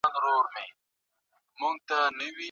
ستاسو ترڅنګ ناست کسان د وچې ډوډې پیسې جیبونو ته اچوي.